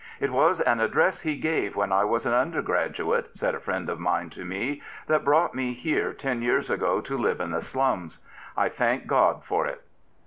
" It was an address he gave when I was an undergraduate,'' said a friend of mine to me, " that brought me here ten years ago to live in the slums. I thank God for it."